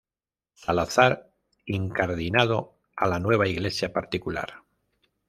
Salazar incardinado a la nueva Iglesia particular.